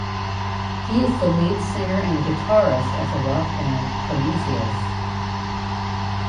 He is the lead singer and guitarist of the rock band "Prometheus".